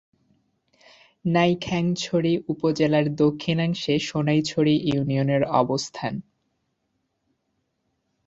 নাইক্ষ্যংছড়ি উপজেলার দক্ষিণাংশে সোনাইছড়ি ইউনিয়নের অবস্থান।